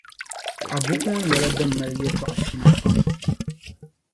A buku ŋɔ nyɛla din mali yɛltɔɣa fina pam.